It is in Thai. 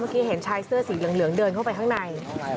เห็นชายเสื้อสีเหลืองเดินเข้าไปข้างใน